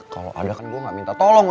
kalau ada kan gue gak minta tolong